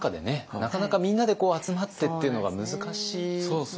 なかなかみんなでこう集まってっていうのが難しい。